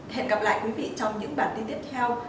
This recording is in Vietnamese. hẹn gặp lại quý vị trong những bản tin tiếp theo